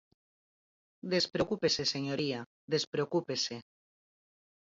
Despreocúpese, señoría, despreocúpese.